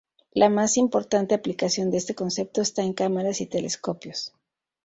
La más importante aplicación de este concepto está en cámaras y telescopios.